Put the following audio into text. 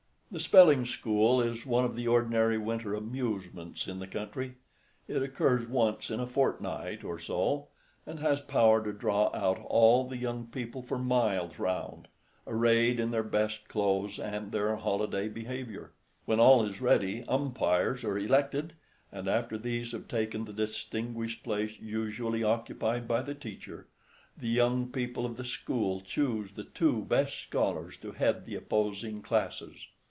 The spelling school is one of the ordinary winter amusements in the country. It occurs once in a fortnight, or so, and has power to draw out all the young people for miles round, arrayed in their best clothes and their holiday behavior. When all is ready, umpires are elected, and after these have taken the distinguished place usually occupied by the teacher, the young people of the school choose the two best scholars to head the opposing classes.